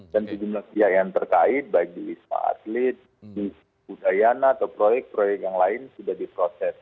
dan sejumlah pihak yang terkait baik di wisma atlet di udayana atau proyek proyek yang lain sudah diproses